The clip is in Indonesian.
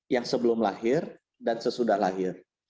yang sebelum lahir dan sesudah lahir